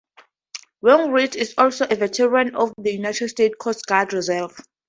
Wainwright is also a veteran of the United States Coast Guard Reserve.